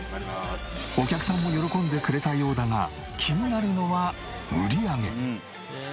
お客さんも喜んでくれたようだが気になるのは売り上げ。